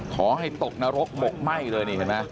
ขอให้ตกนรกหมกไหม้เลยนี่เห็นไหม